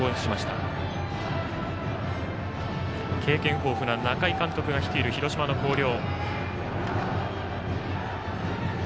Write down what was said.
経験豊富な中井監督が率いる広島の広陵。